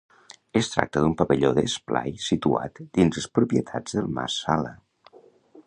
Es tracta d'un pavelló d'esplai situat dins les propietats del mas Sala.